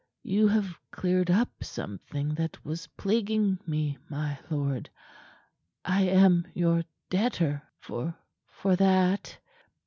You have cleared up something that was plaguing me, my lord. I am your debtor for for that.